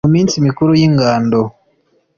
Mu minsi mikuru y'ingando